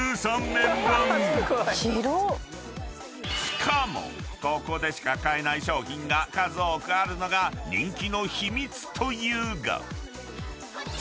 ［しかもここでしか買えない商品が数多くあるのが人気の秘密というが］